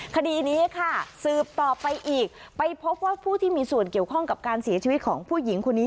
คดีนี้ค่ะสืบต่อไปอีกไปพบว่าผู้ที่มีส่วนเกี่ยวข้องกับการเสียชีวิตของผู้หญิงคนนี้